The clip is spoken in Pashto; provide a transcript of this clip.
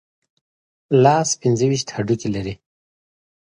لاس پنځه ویشت هډوکي لري.